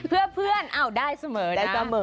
เพื่อเพื่อนเอาได้เสมอนะ